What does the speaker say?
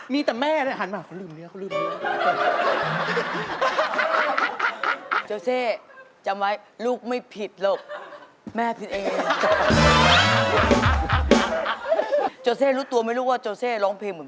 มีแต่แม่หันมาเขาลืมเนื้อ